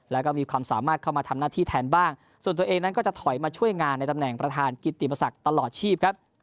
แล้วก็มีความสามารถเข้ามาทำหน้าที่แทนบ้างส่วนตัวเองนั้นก็จะถอยมาช่วยงานในตำแหน่งประธานกิติประศักดิ์ตลอดชีพครับ